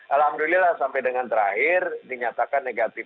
alhamdulillah sampai dengan terakhir dinyatakan negatif